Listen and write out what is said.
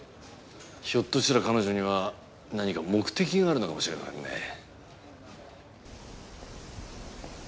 ひょっとしたら彼女には何か目的があるのかもしれませんね